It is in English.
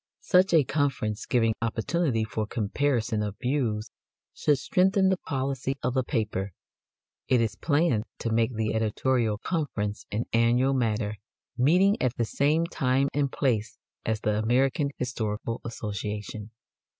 Such a conference, giving opportunity for comparison of views, should strengthen the policy of the paper. It is planned to make the editorial conference an annual matter, meeting at the same time and place as the American Historical Association.